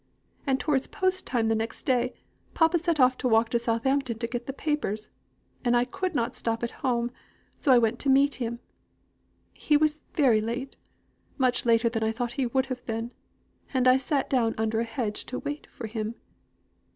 And towards post time the next day, papa set off to walk to Southampton to get the papers; and I could not stop at home, so I went to meet him. He was very late much later than I thought he would have been; and I sat down under the hedge to wait for him.